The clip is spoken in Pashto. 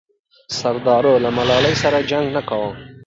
سردارو له ملالۍ سره جنګ نه کاوه.